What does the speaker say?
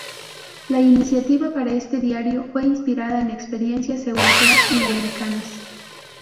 La iniciativa para este diario fue inspirada en experiencias europeas y americanas.